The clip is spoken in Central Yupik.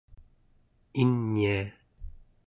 inia